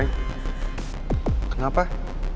saya mau ke rumah